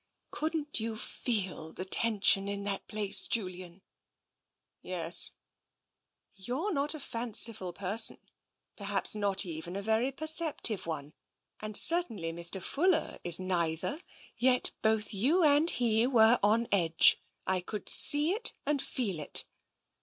" Couldn't you feel the tension in that place, Julian? "" Yes." " You are not a fanciful person, perhaps not even a very perceptive one, and certainly Mr. Fuller is neither. Yet both you and he were on edge. I could see it and feel it."